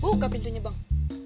buka pintunya bang